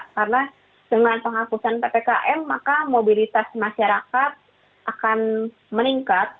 karena dengan penghapusan ppkm maka mobilitas masyarakat akan meningkat